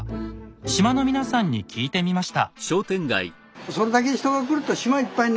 島の皆さんに聞いてみました。